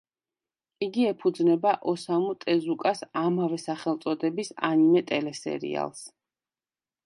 იგი ეფუძნება ოსამუ ტეზუკას ამავე სახელწოდების ანიმე ტელესერიალს.